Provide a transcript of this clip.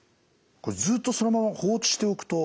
これずっとそのまま放置しておくと。